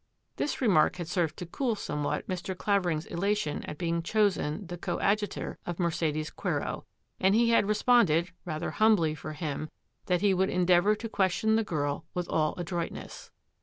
This remark had served to cool somewhat Mr. Clavering's elation at being chosen the coadjutor of Mercedes Quero, and he had responded, rather humbly for him, that he would endeavour to ques tion the girl with all adroitness.